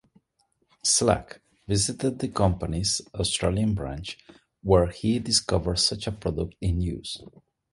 Slack, visited the company's Australian branch, where he discovered such a product in use.